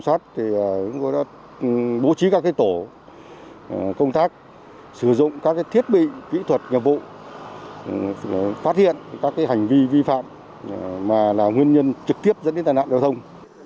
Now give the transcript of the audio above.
tuần tra bám chốt bám đường điều tiết phương tiện tuần tra xử lý nghiêm các trường hợp vi phạm luật giao thông